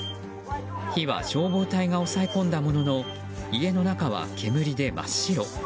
火は消防隊が抑え込んだものの家の中は煙で真っ白。